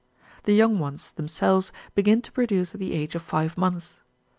The young ones, themselves, begin to produce at the age of five months.